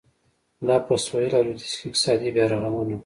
دا په سوېل او لوېدیځ کې اقتصادي بیارغونه وه.